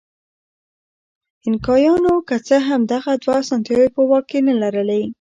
اینکایانو که څه هم دغه دوه اسانتیاوې په واک کې نه لرلې.